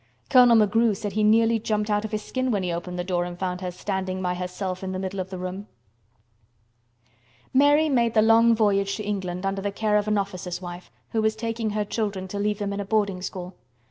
Colonel McGrew said he nearly jumped out of his skin when he opened the door and found her standing by herself in the middle of the room." Mary made the long voyage to England under the care of an officer's wife, who was taking her children to leave them in a boarding school.